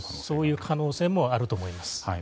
そういう可能性もあると思います。